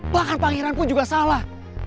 bahkan pangeran pun juga salah